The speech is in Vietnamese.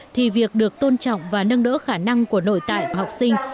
thì việc được tôn trọng và nâng đỡ khả năng của nội tại của học sinh